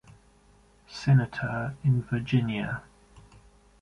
Senator in Virginia.